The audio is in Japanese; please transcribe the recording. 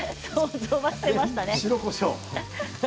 白こしょう。